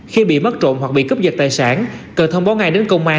khi bị mất trộm hoặc bị cướp giật tài sản cần thông báo ngay đến công an